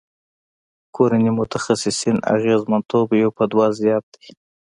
کورني متخصصین اغیزمنتوب یو په دوه زیات دی.